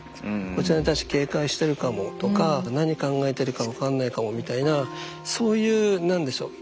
「こちらに対して警戒してるかも」とか「何考えてるか分かんないかも」みたいなそういう何でしょう